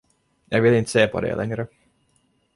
Jag vill inte se på dig längre.